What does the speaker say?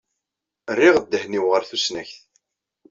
Rriɣ ddehn-inu ɣer tusnakt.